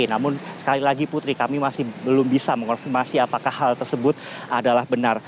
namun sekali lagi putri kami masih belum bisa mengonfirmasi apakah hal tersebut adalah benar